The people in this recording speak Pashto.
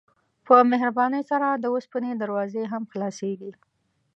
په مهربانۍ سره د اوسپنې دروازې هم خلاصیږي.